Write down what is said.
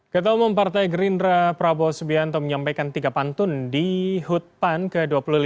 ketua umum partai gerindra prabowo subianto menyampaikan tiga pantun di hut pan ke dua puluh lima